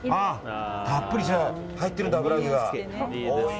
たっぷり入ってるんだ油揚げが。